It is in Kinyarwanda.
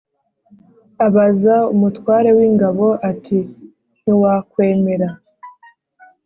Abaza umutware w ingabo ati ntiwakwemera